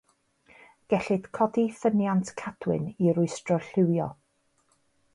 Gellid codi ffyniant cadwyn i rwystro'r llywio.